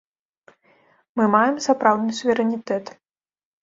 Мы маем сапраўдны суверэнітэт.